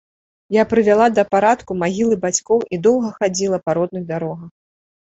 Я прывяла да парадку магілы бацькоў і доўга хадзіла па родных дарогах.